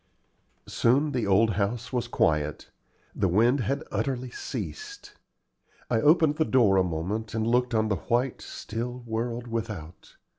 Soon the old house was quiet. The wind had utterly ceased. I opened the door a moment, and looked on the white, still world without.